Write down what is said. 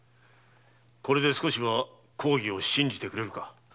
これで少しは公儀を信じてくれるか？